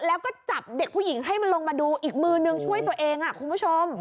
แล้วก็จับเด็กผู้หญิงให้มันลงมาดูอีกมือนึงช่วยตัวเองคุณผู้ชม